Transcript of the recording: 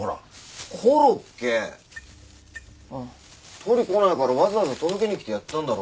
取り来ないからわざわざ届けに来てやったんだろ？